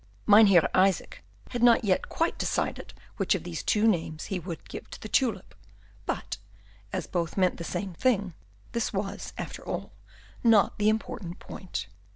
Mynheer Isaac had not yet quite decided which of these two names he would give to the tulip, but, as both meant the same thing, this was, after all, not the important point.